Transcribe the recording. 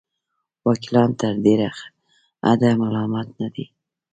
وکیلان تر ډېره حده ملامت نه دي.